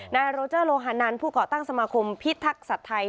นายโรเจอร์โลฮานันผู้ก่อตั้งสมาคมพิทักษัตริย์ไทย